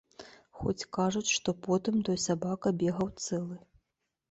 Хоць кажуць, што потым той сабака бегаў цэлы.